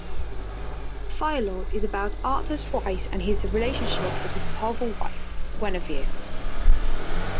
"Firelord" is about Arthur's rise and his relationship with his powerful wife, Guenevere.